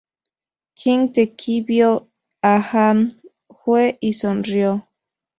Qing de Qi vio a Han Jue y sonrió.